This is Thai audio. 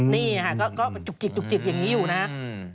นี่นะฮะก็จุกจิบอย่างนี้อยู่นะฮะ